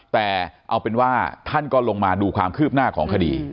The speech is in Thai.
แต่เอาเป็นว่าท่านก็ลงมาดูความคืบหน้าของคดี